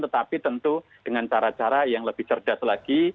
tetapi tentu dengan cara cara yang lebih cerdas lagi